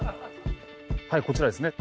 はいこちらですね。